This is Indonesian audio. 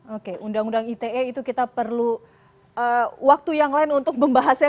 oke undang undang ite itu kita perlu waktu yang lain untuk membahasnya